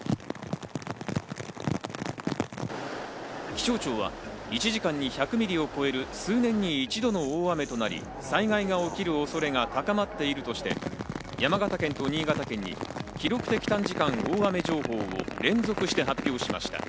気象庁は１時間に１００ミリを超える数年に一度の大雨となり、災害が起きる恐れが高まっているとして、山形県と新潟県に記録的短時間大雨情報を連続して発表しました。